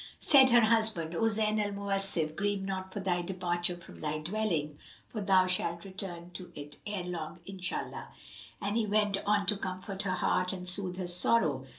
Said her husband, "O Zayn al Mawasif grieve not for thy departure from thy dwelling; for thou shalt return to it ere long Inshallah!" And he went on to comfort her heart and soothe her sorrow.